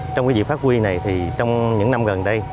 trong việc phát quy này thì trong những năm gần đây